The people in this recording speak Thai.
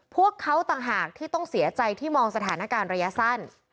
พวกเขาต่างหากที่ต้องเสียใจที่มองสถานการณ์ระยะสั้น